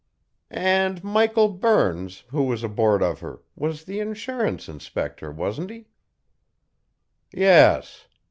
"And Michael Burns, who was aboard of her, was the insurance inspector, wasn't he?" "Yes."